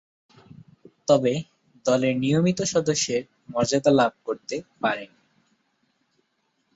তবে, দলের নিয়মিত সদস্যের মর্যাদা লাভ করতে পারেননি।